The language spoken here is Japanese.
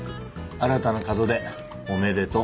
新たな門出おめでとう。